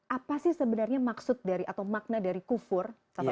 apa sih sebenarnya maksud dari atau makna dari kufur